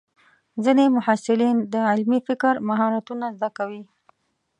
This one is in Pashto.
ځینې محصلین د علمي فکر مهارتونه زده کوي.